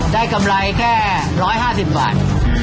กำไรแค่๑๕๐บาท